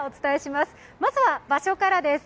まずは、場所からです。